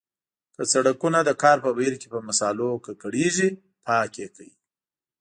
که سړکونه د کار په بهیر کې په مسالو ککړیږي پاک یې کړئ.